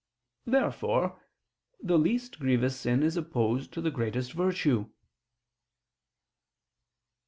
Therefore the least grievous sin is opposed to the greatest virtue.